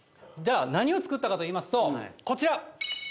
じゃあ、何を作ったかといいますと、こちら。